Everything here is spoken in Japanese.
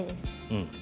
うん。